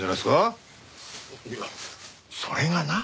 いやそれがな。